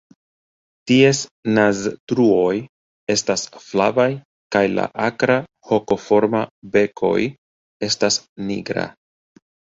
Ties naztruoj estas flavaj kaj la akra hokoforma bekoj estas nigra.